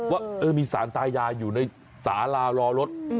ว่ามีสารตายายอยู่ในสารารอรถ